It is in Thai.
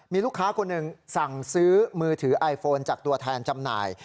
มีลูกค้าคนหนึ่งสั่งซื้อมือถือไอโฟนจากตัวแทนจำหน่าย